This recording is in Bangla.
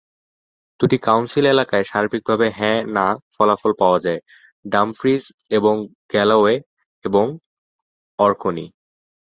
দুটি কাউন্সিল এলাকায় সার্বিকভাবে "হ্যাঁ-না" ফলাফল পাওয়া যায় - ডামফ্রিজ এবং গ্যালাওয়ে এবং অরকনি।